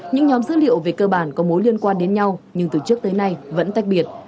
những nhóm dữ liệu về cơ bản có mối liên quan đến nhau nhưng từ trước tới nay vẫn tách biệt